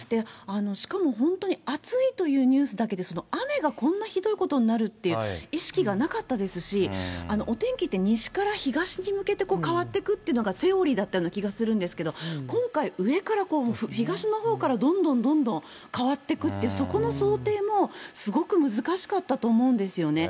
しかも本当に暑いというニュースだけで、雨がこんなひどいことになるという意識がなかったですし、お天気って西から東に向けて変わってくっていうのがセオリーだったような気がするんですけど、今回、上から東のほうからどんどんどんどん変わってくって、そこの想定も、すごく難しかったと思うんですよね。